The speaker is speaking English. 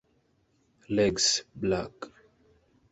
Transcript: Legs black.